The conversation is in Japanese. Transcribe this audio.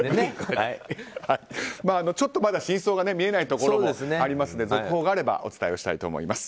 ちょっとまだ真相が見えないところもあるので続報があればお伝えしたいと思います。